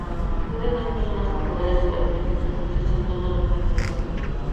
¿pueden dos personas con poderes telepáticos transmitirse el tono de una canción?